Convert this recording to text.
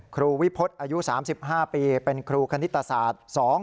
ครูวิพฤษอายุ๓๕ปีเป็นครูคณิตศาสตร์